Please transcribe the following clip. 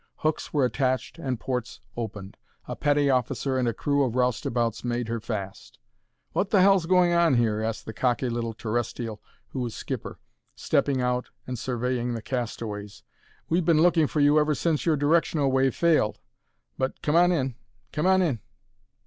Hooks were attached and ports opened. A petty officer and a crew of roustabouts made her fast. "What the hell's going on here?" asked the cocky little terrestial who was skipper, stepping out and surveying the castaways. "We've been looking for you ever since your directional wave failed. But come on in come on in!"